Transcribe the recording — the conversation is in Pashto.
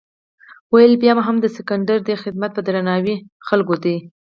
ولې بیا هم د سکندر دې خدمت په درناوي خلکو دی.